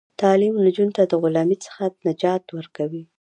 تعلیم نجونو ته د غلامۍ څخه نجات ورکوي.